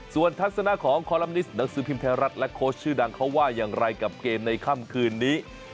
ส่วนทัศนะของคอลัมนิสหนังสือพิมพ์ไทยรัฐและโค้ชชื่อดังเขาว่าอย่างไรกับเกมในค่ำคืนนี้